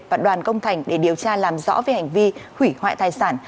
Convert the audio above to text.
và đoàn công thành để điều tra làm rõ về hành vi hủy hoại tài sản